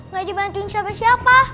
gak dibantuin siapa siapa